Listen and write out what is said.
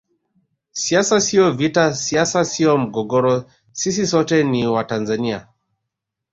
Siasa sio vita siasa sio mgogoro sisi sote ni Watanzania